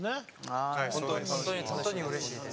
はい本当にうれしいです。